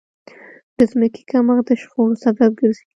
د ځمکې کمښت د شخړو سبب ګرځي.